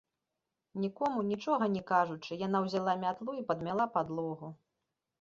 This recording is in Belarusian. Нікому нічога не кажучы, яна ўзяла мятлу і падмяла падлогу.